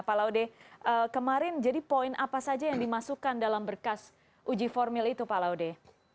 pak laude kemarin jadi poin apa saja yang dimasukkan dalam berkas uji formil itu pak laude